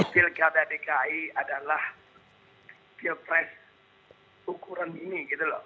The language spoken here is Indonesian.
pirkada dki adalah pilpres ukuran ini